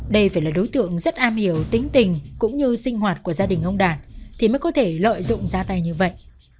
đây phải là đối tượng rất am hiểu tính tình cũng như sinh hoạt của gia đình ông đạt thì mới có thể lợi dụng ra tay như vậy